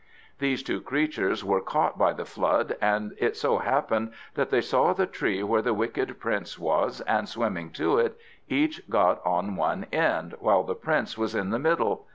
These two creatures were caught by the flood, and it so happened that they saw the tree where the Wicked Prince was, and swimming to it, each got on one end, while the Prince was in the middle.